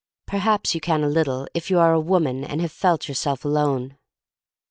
Per haps you can a little if you are a woman and have felt yourself alone.